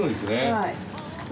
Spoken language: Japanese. はい。